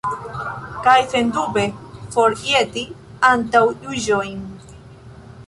Kaj sendube forjeti antaŭjuĝojn.